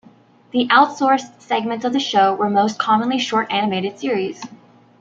The 'outsourced' segments of the show were most commonly short animated series.